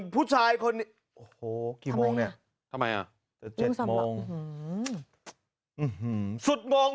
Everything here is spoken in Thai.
ผู้ชายคนโอ้โหกี่โมงเนี้ยทำไมอ่ะเจ็ดโมงอื้อหือสุดโมง